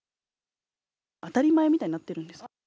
当たり前みたいになってるんですか？